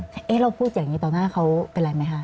เอ๊ะเราพูดอย่างนี้ต่อหน้าเขาเป็นอะไรไหมคะ